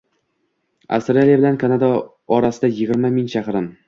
Avstraliya bilan Kanada orasi yigirma ming chaqirim.